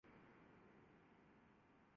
Tokyo کا حصہ ہے